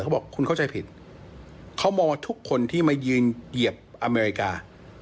เขาบอกคุณเข้าใจผิดเขามองทุกคนที่มายืนเหยียบอเมริกา